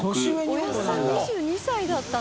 おやっさん２２歳だったの？